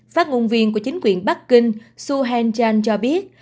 phát ngôn viên của chính quyền bắc kinh su hen chan cho biết